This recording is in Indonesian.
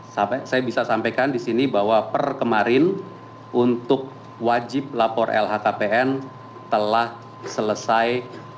saya bisa sampaikan di sini bahwa per kemarin untuk wajib lapor lhkpn telah selesai sembilan puluh sembilan sembilan puluh sembilan